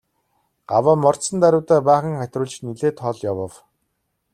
Гаваа мордсон даруйдаа баахан хатируулж нэлээд хол явав.